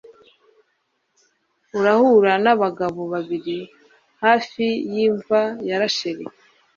urahura n'abagabo babiri hafi y'imva ya rasheli